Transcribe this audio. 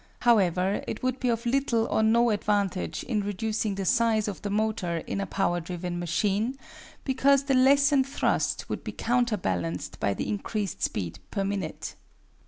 However, it would be of little or no advantage in reducing the size of the motor in a power driven machine, because the lessened thrust would be counterbalanced by the increased speed per minute.